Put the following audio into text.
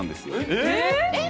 えっ？